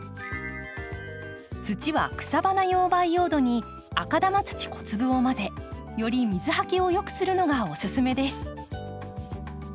土は草花用培養土に赤玉土小粒を混ぜより水はけをよくするのがおすすめです。